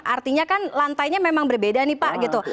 artinya kan lantainya memang berbeda nih pak gitu